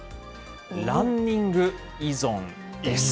ランニング依存です。